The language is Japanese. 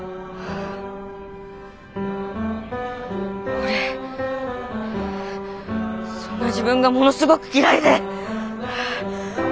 俺そんな自分がものすごく嫌いで俺！